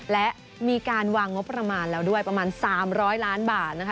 และมีการวางงบประมาณแล้วด้วยประมาณ๓๐๐ล้านบาทนะคะ